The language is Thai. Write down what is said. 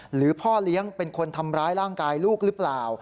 หรือพ่อเลี้ยงเป็นคนทำร้ายร่างกายลูกหรือเปล่า